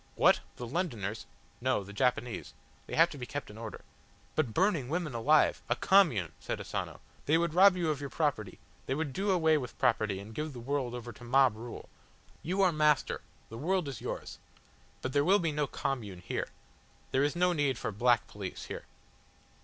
"What! the Londoners?" "No, the Japanese. They have to be kept in order." "But burning women alive!" "A Commune!" said Asano. "They would rob you of your property. They would do away with property and give the world over to mob rule. You are Master, the world is yours. But there will be no Commune here. There is no need for black police here.